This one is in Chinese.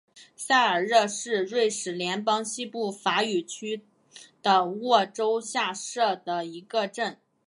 塞尔热是瑞士联邦西部法语区的沃州下设的一个镇。